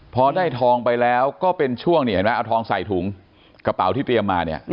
พอได้ทองไปแล้วก็เป็นช่วงนี่เห็นไหมเอาทองใส่ถุงกระเป๋าที่เตรียมมาเนี่ย